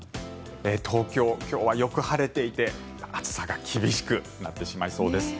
東京、今日はよく晴れていて暑さが厳しくなってしまいそうです。